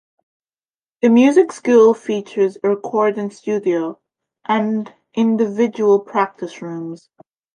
The Music School features a recording studio, and individual practice rooms.